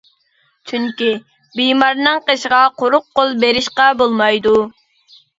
چۈنكى، بىمارنىڭ قېشىغا قۇرۇق قول بېرىشقا بولمايدۇ.